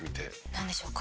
なんでしょうか？